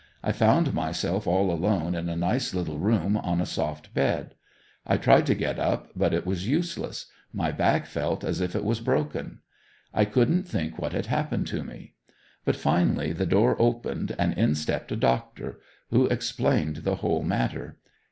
I found myself all alone in a nice little room on a soft bed. I tried to get up but it was useless; my back felt as if it was broken. I couldn't think what had happened to me. But finally the door opened and in stepped a doctor, who explained the whole matter.